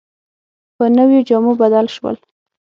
په نویو جامو بدل شول.